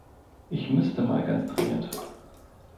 Ich müsste mal ganz dringend.